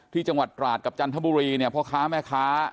ที่จังหวัดตราดกับจันทบุรีเนี่ยพ่อค้าแม่ค้า